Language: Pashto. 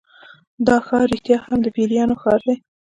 دا ښار رښتیا هم د پیریانو ښار دی.